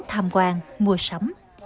tham quan mua sắm